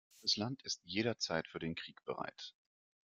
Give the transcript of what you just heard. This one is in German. Das Land ist jederzeit für den Krieg bereit.